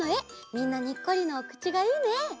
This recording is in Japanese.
みんなにっこりのおくちがいいね。